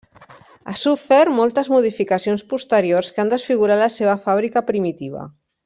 Ha sofert moltes modificacions posteriors que han desfigurat la seva fàbrica primitiva.